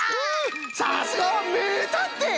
さすがはめいたんてい！